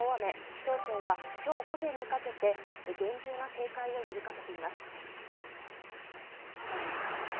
気象庁はきょう午前にかけて厳重な警戒を呼びかけています。